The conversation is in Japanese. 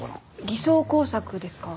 偽装工作ですか？